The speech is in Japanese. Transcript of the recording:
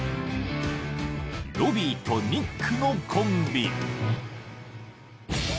［ロビーとニックのコンビ］